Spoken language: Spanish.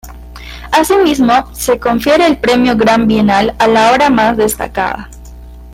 Así mismo se confiere el premio Gran Bienal a la obra mas destacada.